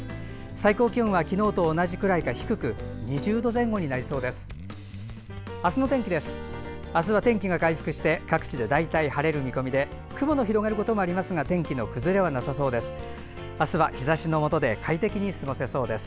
最高気温は昨日と同じくらいか低く２０度前後になりそうです。